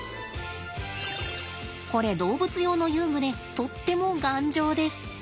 これ動物用の遊具でとっても頑丈です。